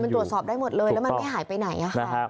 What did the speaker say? มันตรวจสอบได้หมดเลยแล้วมันไม่หายไปไหนค่ะ